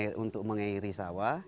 pertama untuk mengairi sawah